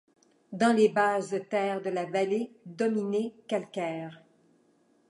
Dans les basses terres de la vallée dominée calcaire.